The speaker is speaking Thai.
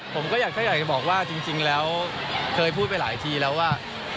ผมก็อยากถ้าอยากจะบอกว่าจริงแล้วเคยพูดไปหลายทีแล้วว่า